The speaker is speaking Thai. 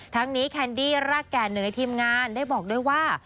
ทั้งนี้แคนดี้รากแก่เหนื่อยทีมงานได้บอกด้วยว่า